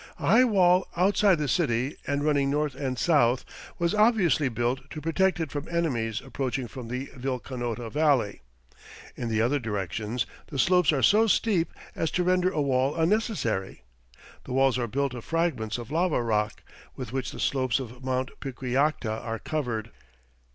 A high wall outside the city, and running north and south, was obviously built to protect it from enemies approaching from the Vilcanota Valley. In the other directions the slopes are so steep as to render a wall unnecessary. The walls are built of fragments of lava rock, with which the slopes of Mt. Piquillacta are covered.